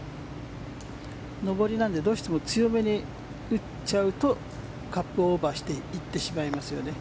上りなのでどうしても強めに打っちゃうとカップをオーバーしていってしまいますよね。